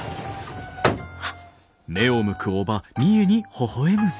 あっ。